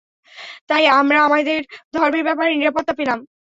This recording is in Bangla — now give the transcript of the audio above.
তাই আমরা আমাদের ধর্মের ব্যাপারে নিরাপত্তা পেলাম।